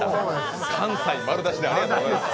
関西丸出しでありがとうございます。